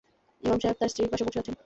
ইমাম সাহেব তাঁর স্ত্রীর পাশে বসে আছেন।